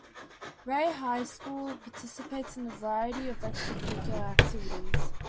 Ray High School participates in a variety of extracurricular activities.